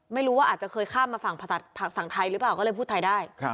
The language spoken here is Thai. ไม่รู้ว่าอาจจะเคยข้ามมาฝั่งไทยหรือเปล่าก็เลยพูดไทยได้